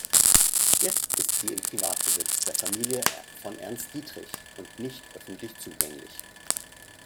Jetzt ist sie in Privatbesitz der Familie von Ernst Dietrich und nicht öffentlich zugänglich.